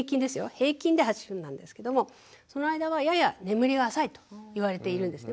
平均で８分なんですけどもその間はやや眠りが浅いと言われているんですね。